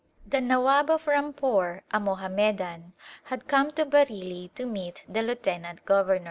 The Nawab of Rampore — a Mohammedan — had come to Bareilly to meet the lieutenant governor.